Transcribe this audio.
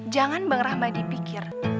jangan bang rahmadi pikir